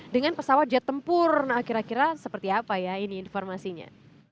dengan pesawat jet tempur nah kira kira seperti apa ya ini informasinya